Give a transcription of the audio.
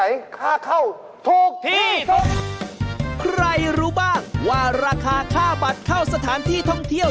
นัฆาระปัธมาเนี่ย